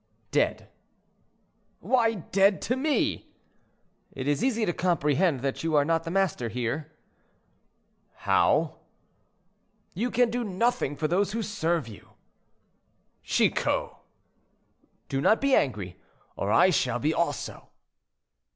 "—"Dead." "Why dead to me?" "It is easy to comprehend that you are not the master here." "How?" "You can do nothing for those who serve you." "Chicot!" "Do not be angry, or I shall be so, also."